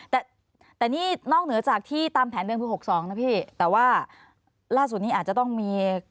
แต่แต่นี่นอกเหนือจากที่ตามแผนเดิมคือ๖๒นะพี่แต่ว่าล่าสุดนี้อาจจะต้องมี